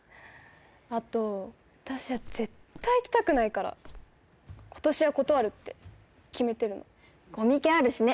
あと私は絶対行きたくないから今年は断るって決めてるのコミケあるしね